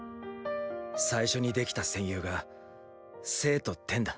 最初にできた戦友が政とテンだ。